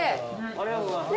ありがとうございます。